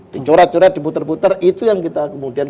dicurat curat diputer puter itu yang kita kemudian